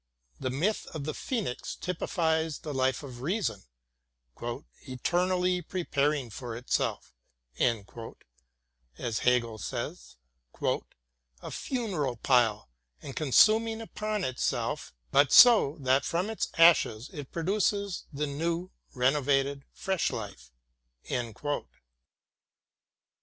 The myth of the Phoenix typifies the life of reason "eternally preparing for itself," as Hegel says, "a funeral pile, and consuming itself upon it; but so that from its ashes it produces the new, renovated, fresh life."